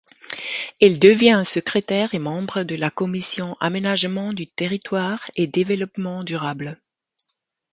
Elle devient secrétaire et membre de la Commission Aménagement du territoire et Développement durable.